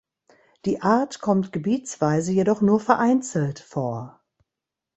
Die Art kommt gebietsweise jedoch nur vereinzelt vor.